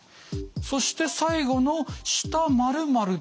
そして最後の「下○」。